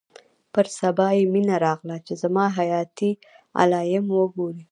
پر سبا يې مينه راغله چې زما حياتي علايم وګوري.